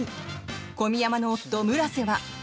小宮山の夫・村瀬は。